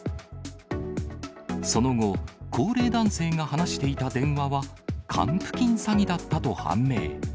その後、高齢男性が話していた電話は、還付金詐欺だったと判明。